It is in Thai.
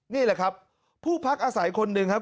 นี่แหละครับผู้พักอาศัยคนหนึ่งครับ